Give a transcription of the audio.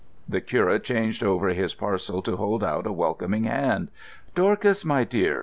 The curate changed over his parcel to hold out a welcoming hand. "Dorcas, my dear!"